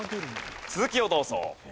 続きをどうぞ。